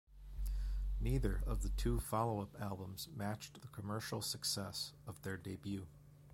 Neither of the two follow-up albums matched the commercial success of their debut.